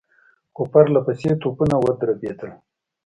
څو پرله پسې توپونه ودربېدل.